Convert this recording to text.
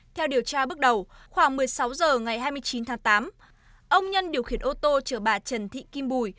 theo điều tra bước đầu khoảng một mươi sáu h ngày hai mươi chín tháng tám ông nhân điều khiển ô tô chở bà trần thị kim bùi